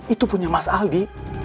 itu punya mas aldi